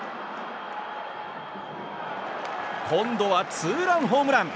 今度はツーランホームラン。